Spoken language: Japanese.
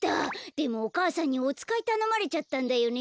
でもお母さんにおつかいたのまれちゃったんだよね。